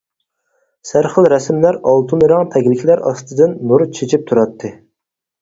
سەرخىل رەسىملەر ئالتۇن رەڭ تەگلىكلەر ئاستىدىن نۇر چېچىپ تۇراتتى.